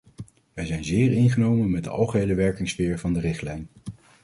Wij zijn zeer ingenomen met de algehele werkingssfeer van de richtlijn.